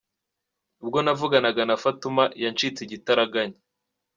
Ubwo navuganaga na Fatuma, yancitse igitaraganya.